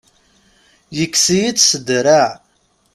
Yekkes-iyi-tt s draɛ.